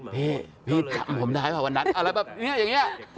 พี่พี่จำผมได้ป่ะวันนั้นอะไรแบบนี้อย่างนี้